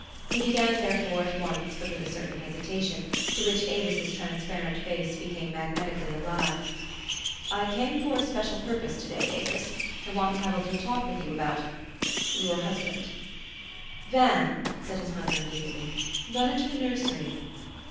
He began therefore, at once, but with a certain hesi tation to which Avis's transparent face became mag netically alive, 44 1 came for a special purpose to day, Avis : I want to have a little talk with you about 3 T our hus band." " Van," said his mother immediately, u run into the nursery."